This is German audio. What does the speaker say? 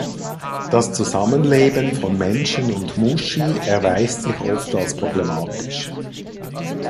Das Zusammenleben von Menschen und Mushi erweist sich oft als problematisch.